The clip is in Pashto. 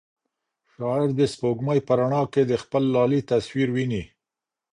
شاعر د سپوږمۍ په رڼا کې د خپل لالي تصویر ویني.